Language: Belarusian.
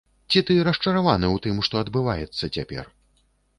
Ці ты расчараваны ў тым, што адбываецца цяпер?